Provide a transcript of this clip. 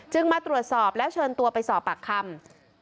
มาตรวจสอบแล้วเชิญตัวไปสอบปากคำ